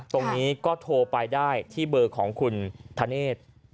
ตรงนี้ก็โทรไปได้ที่เบอร์ของคุณธเนธ